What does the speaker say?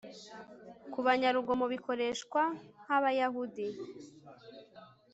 Kubanyarugomo bikoreshwa nkabayahudi